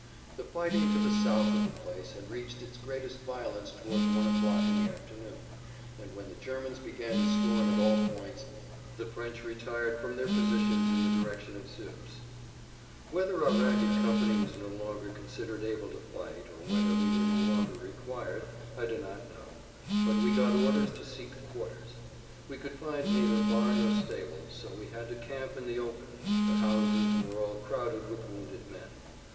The fighting to the south of the place had reached its greatest violence towards one o'clock in the afternoon, and when the Germans began to storm at all points, the French retired from their positions in the direction of Suippes. Whether our ragged company was no longer considered able to fight or whether we were no longer required, I do not know; but we got orders to seek quarters. We could find neither barn nor stable, so we had to camp in the open; the houses were all crowded with wounded men.